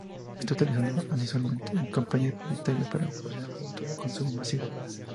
Es utilizado asiduamente en campañas publicitarias para promocionar productos de consumo masivo.